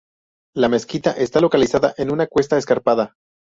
La mezquita está localizada en una cuesta escarpada.